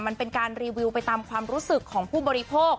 มันเป็นการรีวิวไปตามความรู้สึกของผู้บริโภค